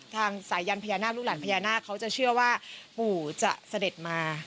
สายยันพญานาคลูกหลานพญานาคเขาจะเชื่อว่าปู่จะเสด็จมา